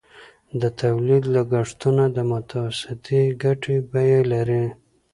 د تولید لګښتونه د متوسطې ګټې بیه لري